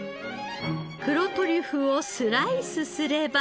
黒トリュフをスライスすれば。